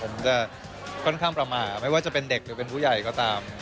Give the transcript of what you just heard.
ผมจะค่อนข้างประมาทไม่ว่าจะเป็นเด็กหรือเป็นผู้ใหญ่ก็ตาม